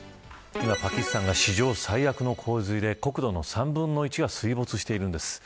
パキスタンが史上最悪の洪水で国土の３分の１が水没しているんです。